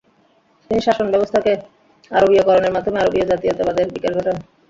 তিনি শাসনব্যবস্থাকে আরবীয়করণের মাধ্যমে আরবীয় জাতীয়তাবাদের বিকাশ ঘটান।